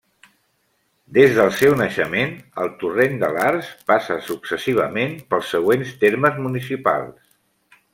Des del seu naixement, el Torrent de l'Arç passa successivament pels següents termes municipals.